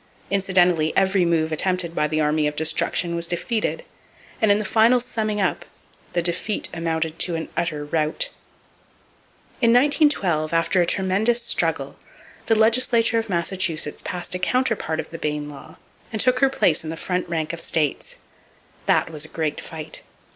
Incidentally, every move attempted by the Army of Destruction was defeated and in the final summing up the defeat amounted to an utter rout. In 1912, after a tremendous struggle, the legislature of Massachusetts passed a counterpart of the Bayne law, and took her place in the front rank of states. That was a great fight.